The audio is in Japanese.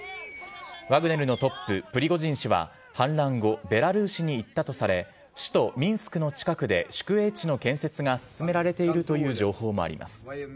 ワグネルのトップ、プリゴジン氏は反乱後、ベラルーシに行ったとされ、首都ミンスクの近くで宿営地の建設が進められているという情報もあります。